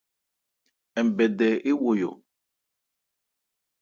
Nbɛdɛ ewɔyɔ.